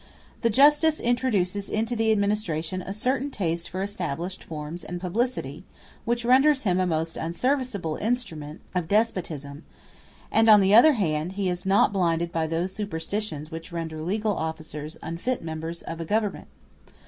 The justice introduces into the administration a certain taste for established forms and publicity, which renders him a most unserviceable instrument of despotism; and, on the other hand, he is not blinded by those superstitions which render legal officers unfit members of a government.